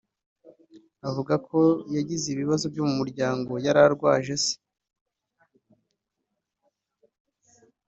avuga ko yagize ibibazo byo mu muryango yari arwaje se